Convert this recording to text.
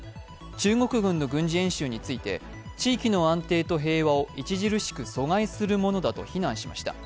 中国軍の軍事演習について、地域の安定と平和を著しく阻害するものだと非難しました。